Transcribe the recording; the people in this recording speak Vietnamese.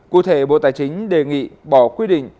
cụ thể bộ tài chính đề nghị bỏ quy định